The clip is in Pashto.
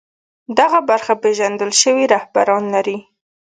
دغه برخه پېژندل شوي رهبران لري